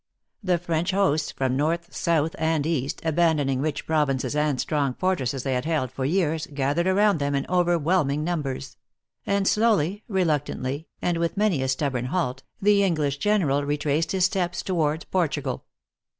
The French hosts from north, south and east, abandoning rich provinces and strong fortresses they had held for years, gathered around them in overwhelming numbers; and slowly, reluctantly, and with many a stubborn halt, the Eng lish general retraced his steps toward Portugal.